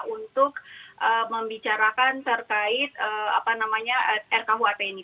untuk membicarakan terkait apa namanya rkuhp ini